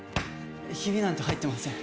ヒビなんて入ってません。